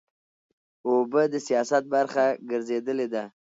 اوبه د سیاست برخه ګرځېدلې ده.